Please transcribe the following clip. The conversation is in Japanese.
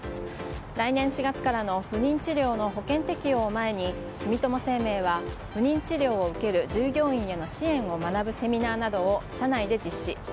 来年４月から不妊治療の保険適用を前に住友生命は不妊治療を受ける従業員への支援を学ぶセミナーなどを社内で実施。